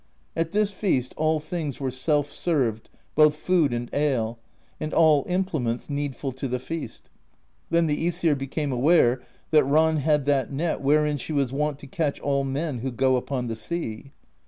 At this feast all things were self served, both food and ale, and all implements needful to the feast. Then the iEsir became aware that Ran had that net wherein she was wont to catch all men who go upon the sea.